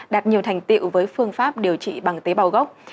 đạt nhiều thành tiệu với phương pháp điều trị bằng tế bào gốc